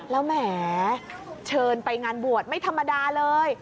แล้วแหมเชิญไปงานบวชไม่ธรรมดาเลย